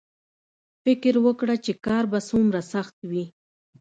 فکر وکړه چې کار به څومره سخت وي